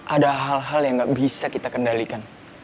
ada hal hal yang nggak bisa kita kendalikan